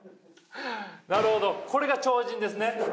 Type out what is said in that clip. なるほどこれが超人ですね。